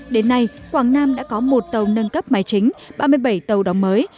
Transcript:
đến nay quảng nam đã có một tàu nâng cấp máy chính ba mươi bảy tàu đóng mới